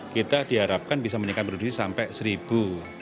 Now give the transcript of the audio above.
kita diharapkan bisa meningkatkan produksi sampai seribu